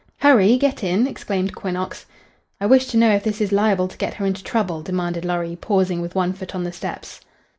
"Hurry! Get in!" exclaimed Quinnox. "I wish to know if this is liable to get her into trouble," demanded Lorry, pausing with one foot on the steps.